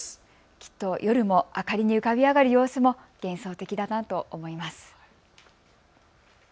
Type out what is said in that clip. きっと夜も明かりに浮かび上がる様子も幻想的だなと思います。